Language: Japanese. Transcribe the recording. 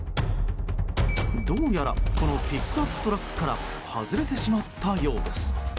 どうやらこのピックアップトラックから外れてしまったようです。